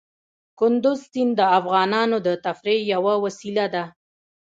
کندز سیند د افغانانو د تفریح یوه وسیله ده.